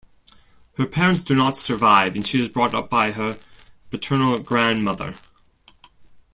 Her parents do not survive, and she is brought up by her paternal grandmother.